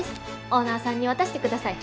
オーナーさんに渡してください。